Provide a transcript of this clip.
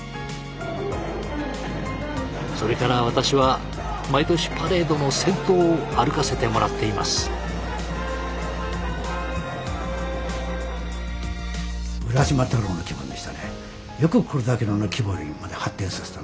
それから私は毎年パレードの先頭を歩かせてもらっています。と思っています。